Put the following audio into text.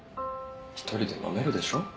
１人で飲めるでしょ？